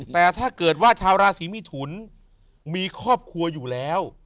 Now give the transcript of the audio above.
แต่ถ้าเกิดว่าชาวราศีมิถุนมีครอบครัวอยู่แล้ว